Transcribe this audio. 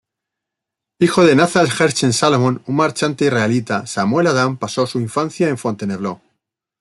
Hijo de Nathan-Herschel Salomon, un marchante israelita, Samuel-Adam pasó su infancia en Fontainebleau.